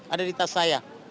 ada di tas saya